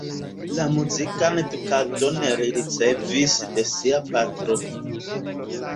La muzikan edukadon li ricevis de sia patro.